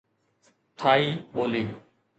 ٿائي ٻولي